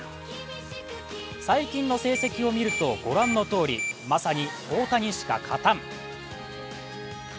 最近の成績を見ると御覧のとおり、まさに、大谷しか勝たん。